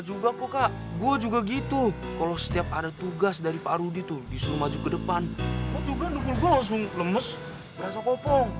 juga kok kak gue juga gitu kalau setiap ada tugas dari pak rudi tuh disuruh maju ke depan juga nunggu